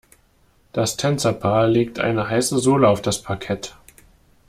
Das Tänzerpaar legt eine heiße Sohle auf das Parkett.